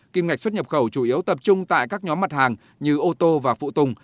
kim ngạch xuất nhập khẩu chủ yếu tập trung tại các nhóm mặt hàng như ô tô và phụ tùng